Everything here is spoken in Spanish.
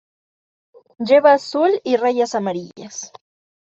Lleva azul y rayas amarillas.